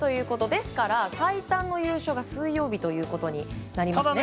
ですから最短の優勝が水曜日ということになりますね。